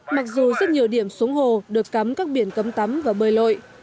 mặc dù rất nhiều điểm xuống hồ được cắm các biển cấm tắm và bơi lội